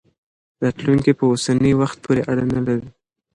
راتلونکی په اوسني وخت پورې اړه لري.